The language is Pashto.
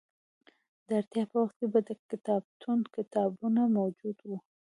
د اړتیا په وخت به د کتابتون کتابونه موجود وو.